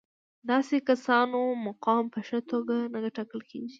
داسې کسانو مقام په ښه توګه نه ټاکل کېږي.